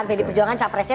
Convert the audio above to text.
pdi perjuangan capresnya